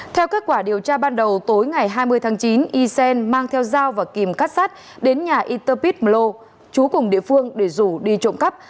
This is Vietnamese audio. theo kết quả điều tra ban đầu tối ngày hai mươi tháng chín ysen mang theo dao và kìm cắt sắt đến nhà yterpit mlo chú cùng địa phương để rủ đi trộm cắp